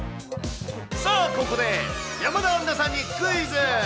さあここで、山田杏奈さんにクイズ。